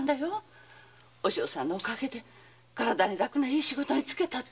和尚様のおかげで体に楽ないい仕事に就けたってねみんな。